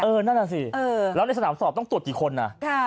เออนั่นแหละสิแล้วในสนามสอบต้องตรวจกี่คนนะค่ะ